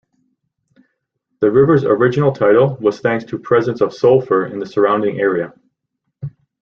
The river's original title was thanks to presence of Sulfur in the surrounding area.